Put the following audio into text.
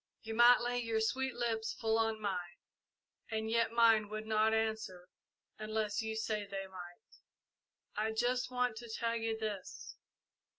You might lay your sweet lips full on mine, and yet mine would not answer unless you said they might. I just want to tell you this.